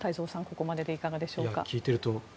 ここまででいかがでしょうか。